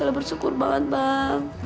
lo bersyukur banget bang